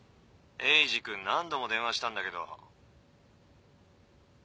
エイジ君何度も電話したんだけど。